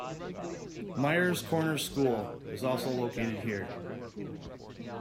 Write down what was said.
Myers Corners School is also located here.